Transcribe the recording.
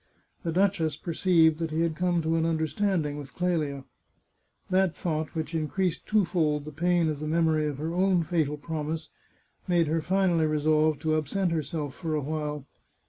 The duchess perceived that he had come to an understanding with Clelia. That thought, which increased twofold the pain of the mem ory of her own fatal promise, made her finally resolve to absent herself for a while.